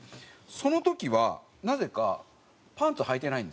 その時はなぜかパンツはいてないんですよ。